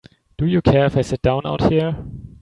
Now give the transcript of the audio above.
Do you care if I sit down out here?